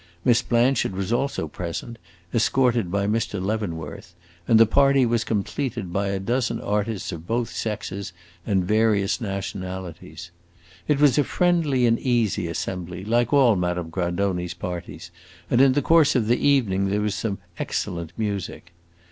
Miss Blanchard was also present, escorted by Mr. Leavenworth, and the party was completed by a dozen artists of both sexes and various nationalities. It was a friendly and easy assembly, like all Madame Grandoni's parties, and in the course of the evening there was some excellent music.